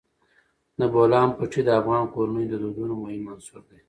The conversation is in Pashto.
د بولان پټي د افغان کورنیو د دودونو مهم عنصر دی.